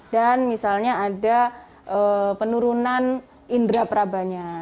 dan misalnya ada penurunan indera prabanya